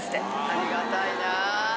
ありがたいなぁ。